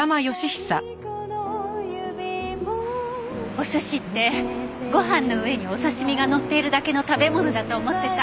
お寿司ってご飯の上にお刺し身がのっているだけの食べ物だと思ってた。